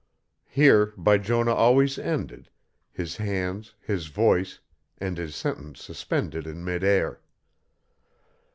Here Bijonah always ended, his hands, his voice, and his sentence suspended in mid air.